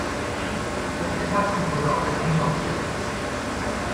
Setze Katzenfutter auf die Einkaufsliste!